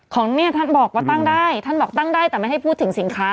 ของเนี่ยท่านบอกว่าตั้งได้ท่านบอกตั้งได้แต่ไม่ให้พูดถึงสินค้า